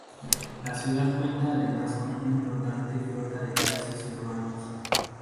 La ciudad cuenta además con una importante flota de taxis urbanos.